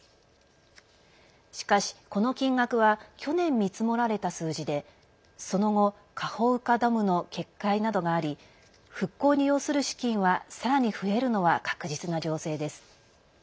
しかし、この金額は去年、見積もられた数字でその後カホウカダムの決壊などがあり復興に要する資金はさらに増えるのは確実な情勢です。